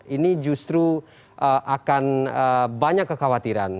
ini justru akan banyak kekhawatiran